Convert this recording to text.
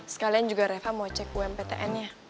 sekalian juga reva mau cek umptn nya